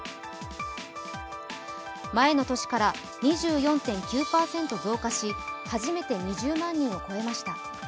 前の年から２４．９％増加し初めて２０万人を超えました。